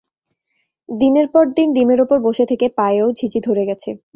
দিনের পর দিন ডিমের ওপর বসে থেকে পায়েও ঝিঁঝি ধরে গেছে।